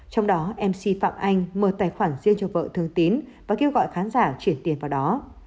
trong đó mc phạm anh mở tài khoản riêng cho vợ thường tín và kêu gọi khán giả chuyển tiền vào đó